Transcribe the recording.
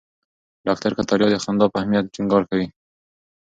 ډاکټر کتاریا د خندا په اهمیت ټینګار کوي.